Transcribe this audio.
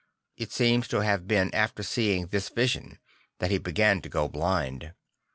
I t seems to have been after seeing this vision that he began to go blind.